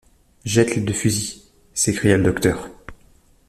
Jette les deux fusils! s’écria le docteur.